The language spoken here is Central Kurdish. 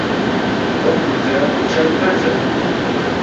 ئەو بورجە چەند بەرزە؟